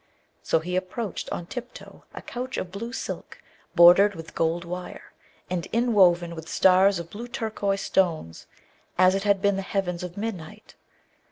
So he approached on tiptoe a couch of blue silk, bordered with gold wire, and inwoven with stars of blue turquoise stones, as it had been the heavens of midnight.